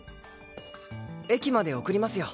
駅まで送りますよ。